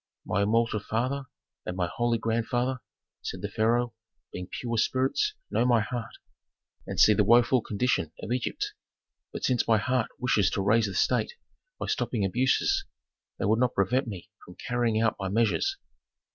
"My immortal father and my holy grandfather," said the pharaoh, "being pure spirits know my heart, and see the woful condition of Egypt. But since my heart wishes to raise the state by stopping abuses they would not prevent me from carrying out my measures."